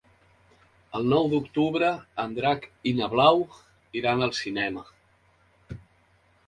El nou d'octubre en Drac i na Blau iran al cinema.